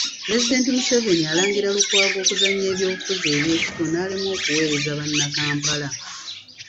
Pulezidenti Museveni alangira Lukwago okuzannya eby’obufuzi eby’ekito n'alemwa okuweereza Bannakampala.